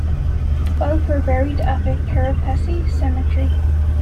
Both were buried at the Kerepesi Cemetery.